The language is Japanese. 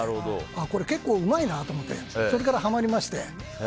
これ結構うまいなと思ってそれからハマりまして。